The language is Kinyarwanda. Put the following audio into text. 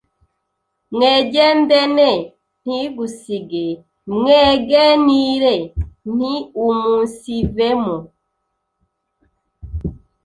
mwegendene ntigusige, mwegenire ntiumunsivemo,